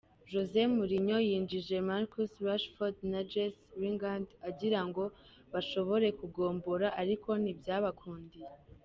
Jose Mourinho yinjije Marcus Rashford na Jesse Lingard agira ngo bashobore kugombora ariko ntibyabakundiye.